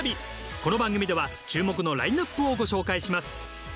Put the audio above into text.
この番組では注目のラインアップをご紹介します。